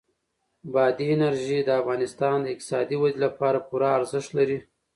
بادي انرژي د افغانستان د اقتصادي ودې لپاره پوره ارزښت لري.